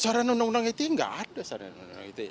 sarana undang undang ite nggak ada sarana undang undang ite